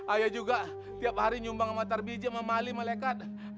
ayah juga tiap hari nyumbang sama tarbiji sama mali malaikat